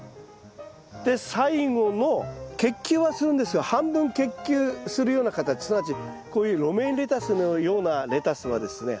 で最後の結球はするんですけど半分結球するような形すなわちこういうロメインレタスのようなレタスはですね